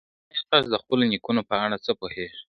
ایا تاسي د خپلو نیکونو په اړه څه پوهېږئ؟